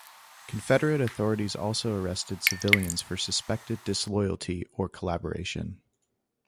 Confederate authorities also arrested civilians for suspected disloyalty or collaboration.